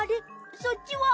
そっちは。